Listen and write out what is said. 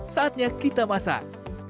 saatnya kita masak